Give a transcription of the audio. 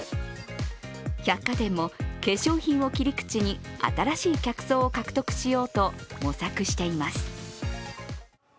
百貨店も化粧品を切り口に新しい客層を獲得しようと模索しています。